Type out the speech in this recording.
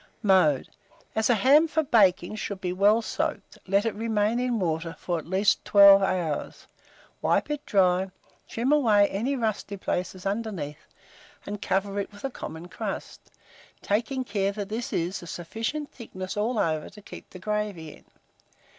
Mode. As a ham for baking should be well soaked, let it remain in water for at least 12 hours. Wipe it dry, trim away any rusty places underneath, and cover it with a common crust, taking care that this is of sufficient thickness all over to keep the gravy in.